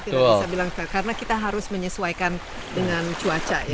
kita bisa bilang karena kita harus menyesuaikan dengan cuaca ya